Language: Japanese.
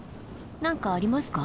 何かありますか？